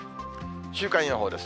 週間予報です。